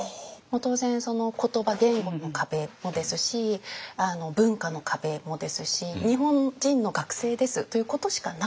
当然言葉言語の壁もですし文化の壁もですし日本人の学生ですということしかなかったんですね。